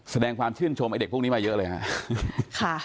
แสดงความชื่นชมไอ้เด็กพวกนี้มาเยอะเลยครับ